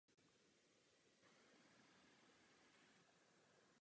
Řád se nosil kolem krku na zelené stuze se zlatým okrajem.